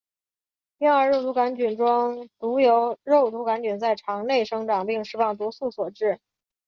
婴儿肉毒杆菌中毒由肉毒杆菌在肠内生长并释放毒素所致。